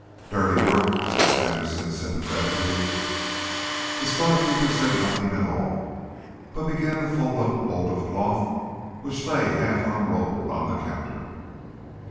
"Dirty work!" said Sandersen sympathetically. The storekeeper said nothing at all, but began to fold up a bolt of cloth which lay half unrolled on the counter.